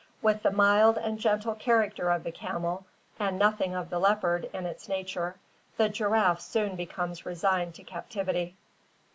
With the mild and gentle character of the camel, and nothing of the leopard in its nature, the giraffe soon becomes resigned to captivity.